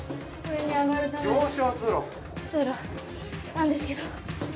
通路なんですけど。